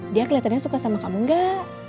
dia kelihatannya suka sama kamu enggak